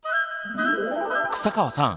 草川さん